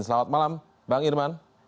selamat malam bang irman